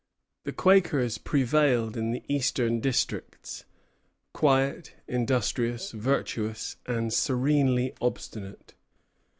The Quakers prevailed in the eastern districts; quiet, industrious, virtuous, and serenely obstinate.